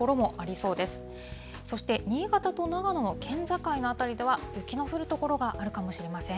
そして新潟と長野の県境の辺りでは、雪の降る所があるかもしれません。